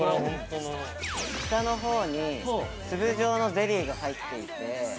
◆下のほうに粒状のゼリーが入っていて。